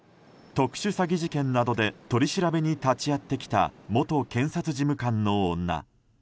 特殊詐欺事件などで取り調べに立ち会ってきた元検察事務官の女。